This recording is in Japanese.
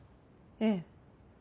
ええ。